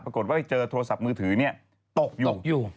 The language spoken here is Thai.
ปรากฏว่าเจอโทรศัพท์มือถือตกอยู่